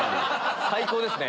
最高ですね。